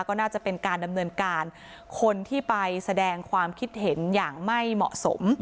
ก็น่าจะเป็นการดำเนินการคนที่ไปแสดงความคิดเห็นอย่างไม่เหมาะสม